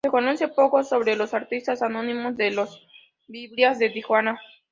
Se conoce poco sobre los artistas anónimos de las biblias de Tijuana.